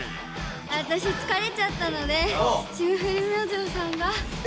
わたしつかれちゃったので霜降り明星さんが。え？